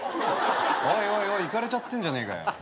おいおいおいいかれちゃってんじゃねえかよ。